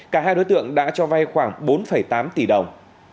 cả hai đối tượng đã cho vay khoảng bốn tám tỷ đồng